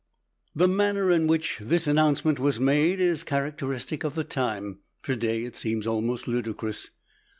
The manner in which this announcement was made is characteristic of the time; to day it seems almost ludicrous.